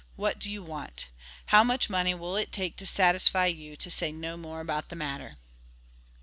"What do you want? How much money will it take to satisfy you to say no more about the matter?"